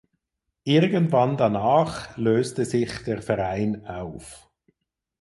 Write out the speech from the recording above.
Irgendwann danach löste sich der Verein auf.